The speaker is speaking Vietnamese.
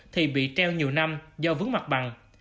thì bị treo nhiều năm do vướng mặt bằng